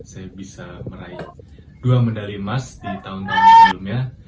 saya bisa meraih dua medali emas di tahun tahun sebelumnya